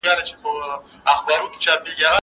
هر وګړی د سياسي نظام په وړاندي لوی مسؤليت لري.